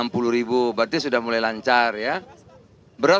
makasih supaya saya saksedit